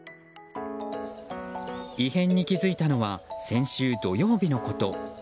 異変に気付いたのは先週土曜日のこと。